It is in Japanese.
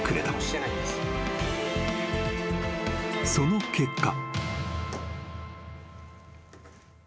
［その結果］